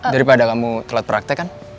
daripada kamu telat praktek kan